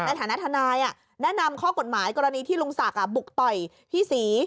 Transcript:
ในฐานะทนายแนะนำข้อกฎหมายกรณีที่ลุงศักดิ์บุกต่อยพี่ศรี